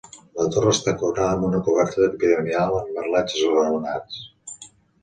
La torre està coronada amb una coberta piramidal amb merlets esglaonats.